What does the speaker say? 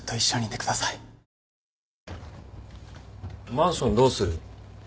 マンションどうする？